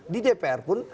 di dpr pun